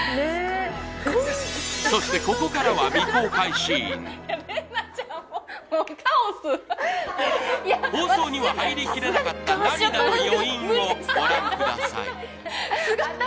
そしてここからは未公開シーンもうカオス放送には入りきらなかった涙の余韻をご覧ください